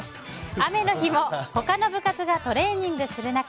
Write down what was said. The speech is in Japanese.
雨の日も他の部活がトレーニングする中